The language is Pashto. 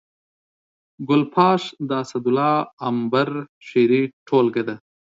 ګل پاش د اسدالله امبر شعري ټولګه ده